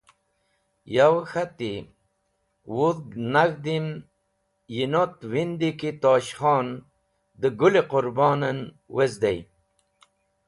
Yowe k̃hati: Wudh nag̃hdem yinot windi ki Tosh Khon dẽ Gũl-e Qũrbon en wezdey.